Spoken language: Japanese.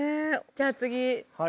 じゃあ次。